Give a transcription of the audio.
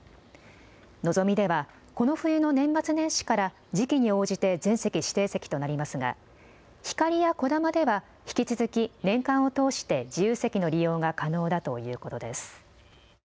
のぞみではこの冬の年末年始から時期に応じて全席指定席となりますが、ひかりやこだまでは引き続き年間を通して自由席の利用が可能だということです。